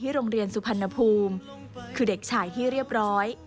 โรงเรียนสุพรรณภูมิคือเด็กชายที่เรียบร้อย